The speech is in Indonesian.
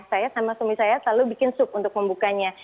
saya sama suami saya selalu bikin sup untuk membukanya